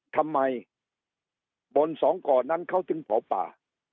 ทำไมบนสองก่อนั้นเขาถึงเผาป่า